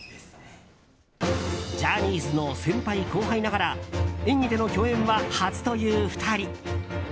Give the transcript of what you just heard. ジャニーズの先輩後輩ながら演技での共演は初という２人。